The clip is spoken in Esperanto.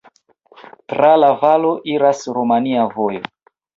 Tra la valo iras romia vojo.